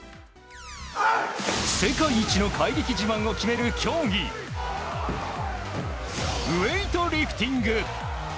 世界一の怪力自慢を決める競技ウエイトリフティング。